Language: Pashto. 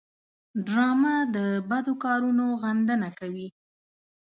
ډرامه د بدو کارونو غندنه کوي